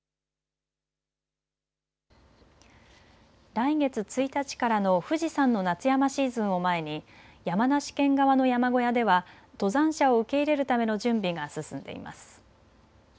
来月１日からの富士山の夏山シーズンを前に山梨県側の山小屋では登山者を受け入れるための準備が進んでいます。